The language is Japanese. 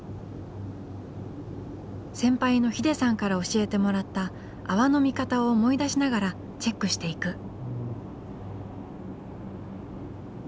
先輩のヒデさんから教えてもらった泡の見方を思い出しながらチェックしていく。